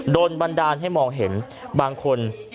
บันดาลให้มองเห็นบางคน